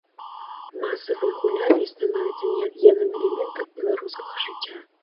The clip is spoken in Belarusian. Масавыя гулянні становяцца неад'емным элементам беларускага жыцця.